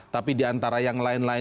tapi diantara yang lain lain